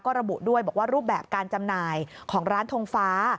ก็ระบุด้วยบอกว่ารูปแบบการจำหน่ายของร้านทงฟ้า